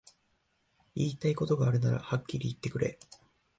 言いたいことがあるならはっきり言ってくれ